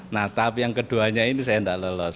nah tahap yang keduanya ini saya tidak lolos